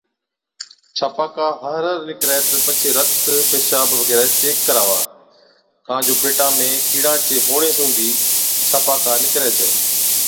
ڇاپاڪا هر هر نِڪرَي تہ پڇي رت، پيشاب وغيره چيڪ ڪراوا ڪان جو پيٽا ۾ ڪِيڙان چي هُوَڻي سُون بِي ڇاپاڪا نِڪرَي ڇَي،